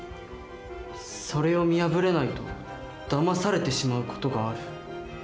それを見破れないとだまされてしまう事がある。